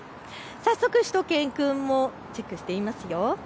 早速、しゅと犬くんもチェックしていますよ。